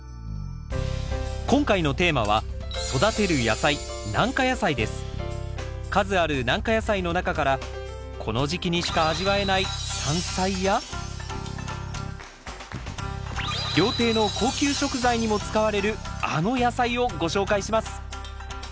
今回のテーマは数ある軟化野菜の中からこの時期にしか味わえない山菜や料亭の高級食材にも使われるあの野菜をご紹介します。